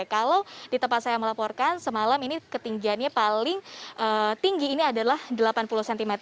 kalau di tempat saya melaporkan semalam ini ketinggiannya paling tinggi ini adalah delapan puluh cm